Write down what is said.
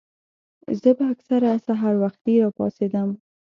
زۀ به اکثر سحر وختي راپاسېدم